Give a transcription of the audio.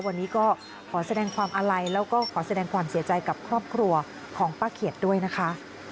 วันนี้ก็ขอแสดงความอาลัยแล้วก็ขอแสดงความเสียใจกับครอบครัวของป้าเขียดด้วยนะคะ